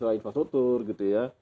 adalah infrastruktur gitu ya